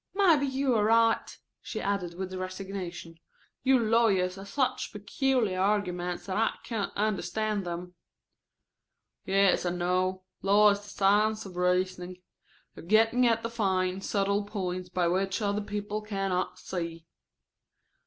"Maybe you are right," she added with resignation. "You lawyers have such peculiar arguments that I can't understand them." "Yes, I know. Law is the science of reasoning of getting at the fine, subtile points which other people can not see."